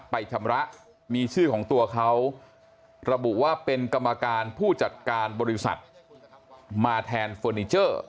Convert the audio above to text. ชำระมีชื่อของตัวเขาระบุว่าเป็นกรรมการผู้จัดการบริษัทมาแทนเฟอร์นิเจอร์